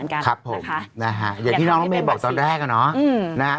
ครับผมนะฮะเห็นที่น้อง๕๕บอกตอนแรกน่ะนะน่ะ